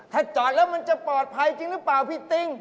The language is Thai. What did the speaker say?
ถ้าจอดแล้วมันจะปลอดภัยจริงหรือเปล่าพี่ติ๊ง